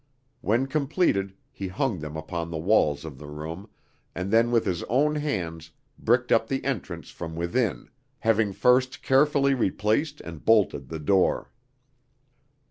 When completed, he hung them upon the walls of the room, and then with his own hands bricked up the entrance from within, having first carefully replaced and bolted the door.